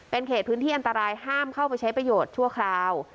เป็นเขตพื้นที่อันตรายห้ามเข้าไปใช้ประโยชน์ชั่วคราว